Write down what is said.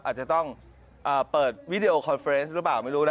อาจจะต้องเปิดวิดีโอคอนเฟรสหรือเปล่าไม่รู้นะ